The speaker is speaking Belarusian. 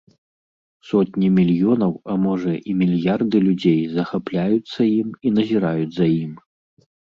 Сотні мільёнаў, а можа, і мільярды людзей захапляюцца ім і назіраюць за ім.